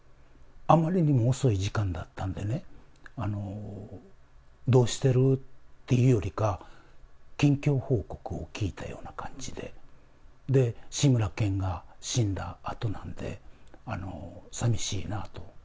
あまりにも遅い時間だったんでね、どうしてる？っていうよりかは、近況報告を聞いたような感じで、志村けんが死んだあとなんで、寂しいなあと。